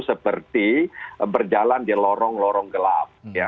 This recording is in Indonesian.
seperti berjalan di lorong lorong gelap